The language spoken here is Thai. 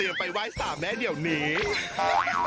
อวยยดให้กับน้องปลอยบันเทิงไทยรัฐนะคะ